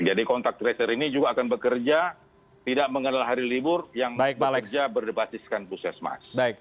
jadi kontak tracer ini juga akan bekerja tidak mengenal hari libur yang bekerja berbasiskan pusat mas